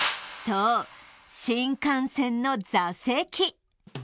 そう、新幹線の座席。